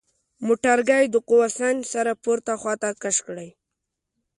موټرګی د قوه سنج سره پورته خواته کش کړئ.